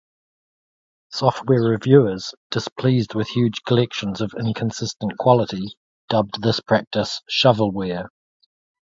Software reviewers, displeased with huge collections of inconsistent quality, dubbed this practice shovelware.